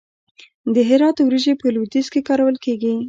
د هرات وریجې په لویدیځ کې کارول کیږي.